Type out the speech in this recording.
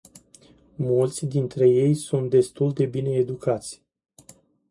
Mulți dintre ei sunt destul de bine educați.